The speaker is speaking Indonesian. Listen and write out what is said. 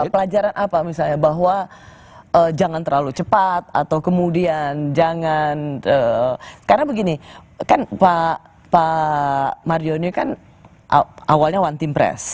pelajaran apa misalnya bahwa jangan terlalu cepat atau kemudian jangan karena begini kan pak mario ini kan awalnya one team press